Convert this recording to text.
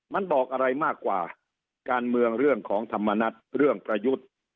มันบอกอะไรมากกว่าการเมืองเรื่องของธรรมนัฐเรื่องประยุทธ์